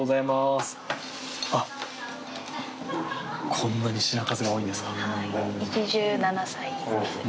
こんなに品数が多いんですか。